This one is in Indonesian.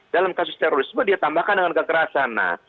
dalam kasus terorisme dia tambahkan dengan kekerasan